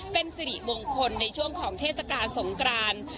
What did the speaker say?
เป็นสิริมงคลในช่วงของเทศกาลสงกราน